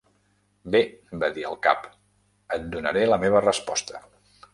"Bé", va dir el Cap, "et donaré la meva resposta".